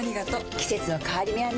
季節の変わり目はねうん。